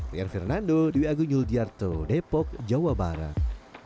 rian fernando dwi agung yuldiarto depok jawa barat